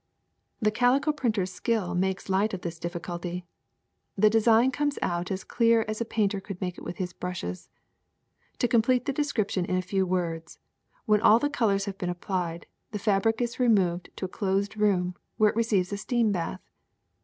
''The calico printer's skill makes light of this difficulty. The design comes out as clear as a painter could make it with his brushes. To complete the description in a few words, when all the colors have been applied, the fabric is removed to a closed room where it receives a steam bath.